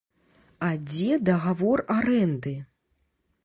А дзе дагавор арэнды?